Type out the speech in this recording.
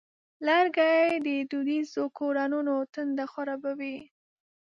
لرګی د دودیزو کورونو تنده خړوبوي.